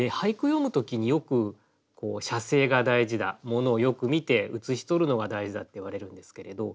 詠む時によく写生が大事だ物をよく見て写し取るのが大事だっていわれるんですけれど。